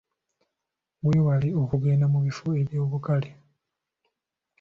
Weewale okugenda mu bifo eby'olukale.